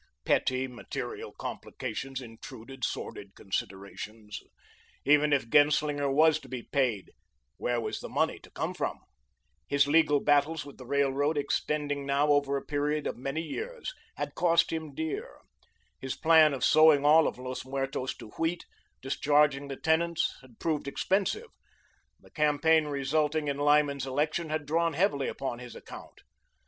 Petty, material complications intruded, sordid considerations. Even if Genslinger was to be paid, where was the money to come from? His legal battles with the Railroad, extending now over a period of many years, had cost him dear; his plan of sowing all of Los Muertos to wheat, discharging the tenants, had proved expensive, the campaign resulting in Lyman's election had drawn heavily upon his account.